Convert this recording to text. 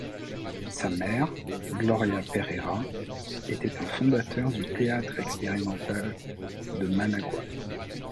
Sa mère, Gloria Pereira, était un fondateur du Théâtre Expérimental de Managua.